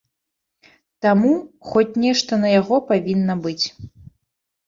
Таму, хоць нешта на яго павінна быць.